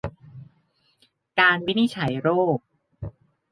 การวินิจฉัยโรค